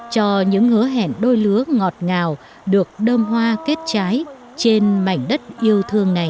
cho những hứa hẹn đôi lứa ngọt ngào được đơm hoa kết trái trên mảnh đất yêu thương này